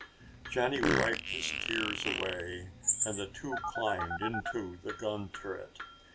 Johnny wiped his tears away and the two climbed into the gun turret.